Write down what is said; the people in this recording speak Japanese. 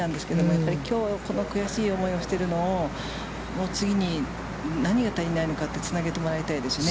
やっぱりきょうは、この悔しい思いをしているのを次に何が足りないのかってつなげてもらいたいですね。